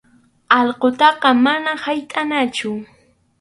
Allqutaqa manam haytʼanachu.